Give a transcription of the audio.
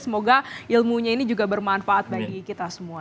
semoga ilmunya ini juga bermanfaat bagi kita semua